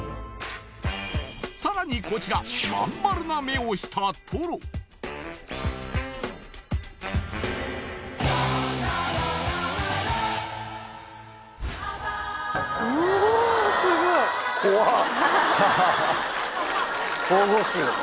さらにこちらまん丸な目をしたトロ神々しいよね